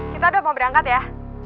kita udah mau berangkat ya